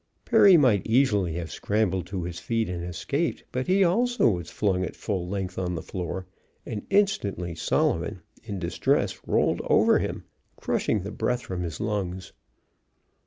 Perry might easily have scrambled to his feet and escaped, but he also was flung at full length on the floor, and instantly Solomon, in distress, rolled over him, crushing the breath from his lungs.